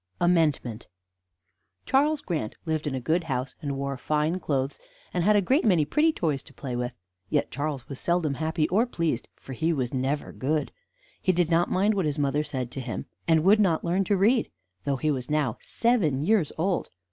AMENDMENT Charles Grant lived in a good house, and wore fine clothes, and had a great many pretty toys to play with; yet Charles was seldom happy or pleased; for he was never good. He did not mind what his mother said to him, and would not learn to read, though he was now seven years old.